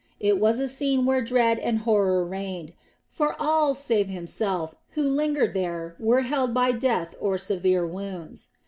It was a scene where dread and horror reigned; for all save himself who lingered there were held by death or severe wounds.